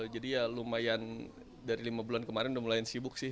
jadi ya lumayan dari lima bulan kemarin udah mulai sibuk sih